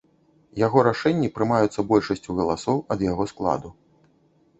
Яго рашэнні прымаюцца большасцю галасоў ад яго складу.